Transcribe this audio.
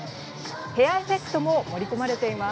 ヘアエフェクトも盛り込まれています。